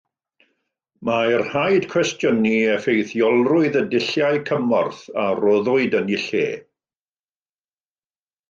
Mae rhaid cwestiynu effeithiolrwydd y dulliau cymorth a roddwyd yn eu lle